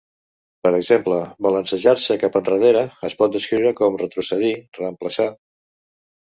Per exemple, "balancejar-se cap endarrere" es pot descriure com "retrocedir, reemplaçar".